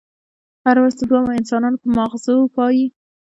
هره ورځ د دوو انسانانو په ماغزو پايي.